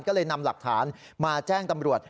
ก็เลยนำหลักฐานมาแจ้งตำรวจ